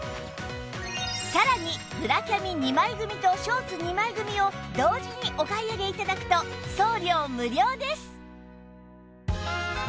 さらにブラキャミ２枚組とショーツ２枚組を同時にお買い上げ頂くと送料無料です